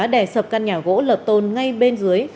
để sập căn nhà gỗ lập tôn ngay bên dưới